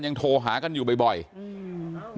ยังโทรฮากันอยู่บ่อยนี่ใช่ยังโทรหากันอยู่บ่อย